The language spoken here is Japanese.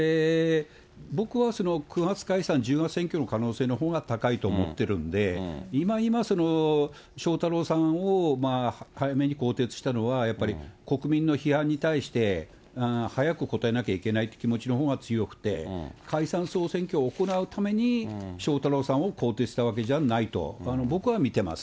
僕はそれを９月解散、１０月選挙の可能性のほうが高いと思ってるんで、今それを翔太郎さんを早めに更迭したのは、やっぱり国民の批判に対して、早く応えなきゃいけないっていう気持ちのほうが強くて、解散・総選挙を行うために、翔太郎さんを更迭したわけじゃないと、僕は見てます。